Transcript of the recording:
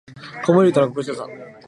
子守唄の心地よさ